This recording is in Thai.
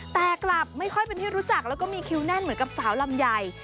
แต่กลับไม่ค่อยเป็นที่รู้จักแล้วก็มีคิวแน่นเหมือนกับสาวลำไย